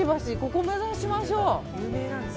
ここを目指しましょう。